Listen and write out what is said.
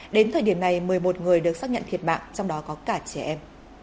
đến thời điểm này một mươi một người được xác nhận thiệt mạng trong đó có cả trẻ em